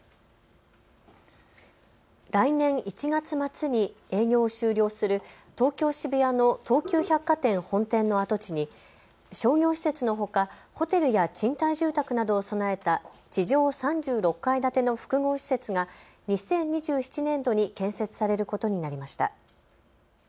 来年１月末に営業を終了する東京渋谷の東急百貨店本店の跡地に商業施設のほかホテルや賃貸住宅などを備えた地上３６階建ての複合施設が２０２７年度に建設されることになりました。